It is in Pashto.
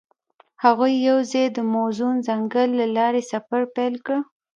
هغوی یوځای د موزون ځنګل له لارې سفر پیل کړ.